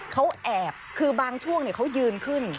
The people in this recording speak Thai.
เขาแอบคือบางช่วงเขายืนขึ้น